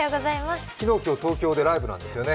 昨日、今日、東京でライブなんですよね。